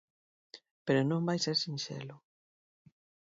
Pero non vai ser sinxelo.